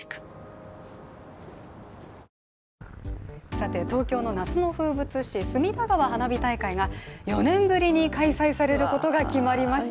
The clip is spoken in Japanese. さて、東京の夏の風物詩・隅田川花火大会が４年ぶりに開催されることが決まりました。